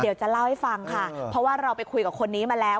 เดี๋ยวจะเล่าให้ฟังค่ะเพราะว่าเราไปคุยกับคนนี้มาแล้ว